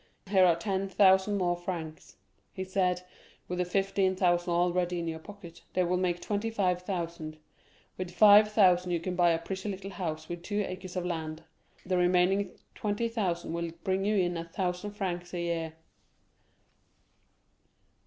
"Here are ten thousand more francs," he said, "with the fifteen thousand already in your pocket, they will make twenty five thousand. With five thousand you can buy a pretty little house with two acres of land; the remaining twenty thousand will bring you in a thousand francs a year."